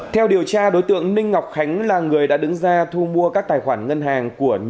theo điều tra đối tượng ninh ngọc khánh là người đã đứng ra thu mua các tài khoản ngân hàng của nhiều học sinh